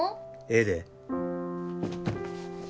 ええで。